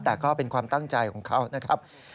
แต่ก็เป็นความตั้งใจของเขานะครับ